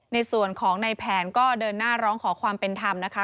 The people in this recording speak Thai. ในส่วนของในแผนก็เดินหน้าร้องขอความเป็นธรรมนะคะ